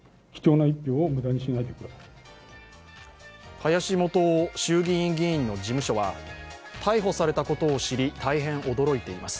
林幹雄衆議院議員の事務所は逮捕されたことを知り、大変驚いています。